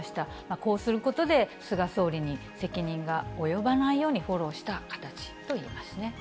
こうすることで、菅総理に責任が及ばないようにフォローした形といえますね。